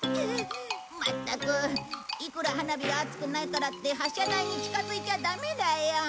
まったくいくら花火が熱くないからって発射台に近づいちゃダメだよ。